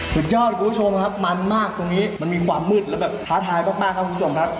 สุดยอดคุณผู้ชมครับมันมากตรงนี้มันมีความมืดแล้วแบบท้าทายมากครับคุณผู้ชมครับ